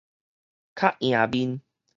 較贏面